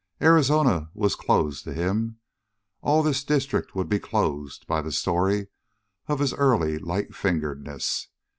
Arizona was closed to him; all this district would be closed by the story of his early light fingeredness.